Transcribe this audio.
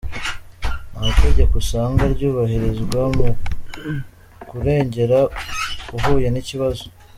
Nta tegeko usanga ryubahirizwa mu kurengera uhuye n’ikibazo.